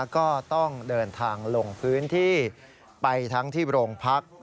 ก็ต้องเดินทางลงพื้นที่ไปทั้งที่โรงพัก